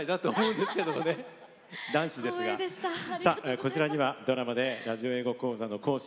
こちらには、ドラマでラジオ英語講座の講師